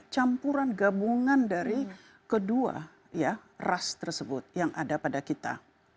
campuran gabungan dari kedua ya ras tersebut yang ada pada kita